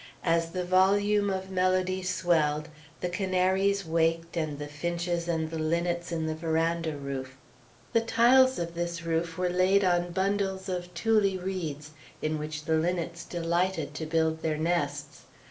As the volume of melody swelled, the canaries waked, and the finches and the linnets in the veranda roof. The tiles of this roof were laid on bundles of tule reeds, in which the linnets delighted to build their nests.